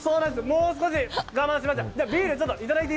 もう少し我慢しまして。